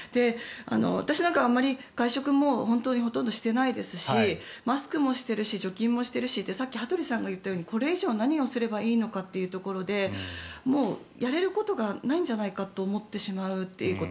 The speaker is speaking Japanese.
私なんかは外食もほとんどしていないですしマスクもしているし除菌もしているしってさっき羽鳥さんが言ったようにこれ以上何をすればいいのかというところでやれることがもうないんじゃないかと思ってしまうということ。